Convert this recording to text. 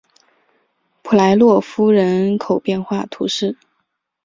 普莱洛夫人口变化图示